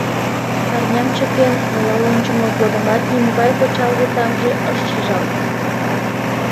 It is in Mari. Парням чыкен, нулал ончымо годымат нимогай кочалге тамже ыш шижалт.